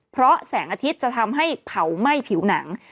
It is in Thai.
เพราะแสงอาทิตย์จะทำให้เผาไหม้ผิวหนัง